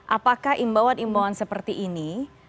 apakah imbauan imbauan seperti ini